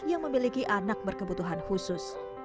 yang memiliki anak berkebutuhan khusus